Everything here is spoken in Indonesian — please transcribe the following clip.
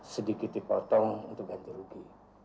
sedikit dipotong untuk ganti rugi